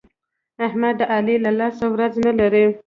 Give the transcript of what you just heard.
احمد د علي له لاسه ورځ نه لري.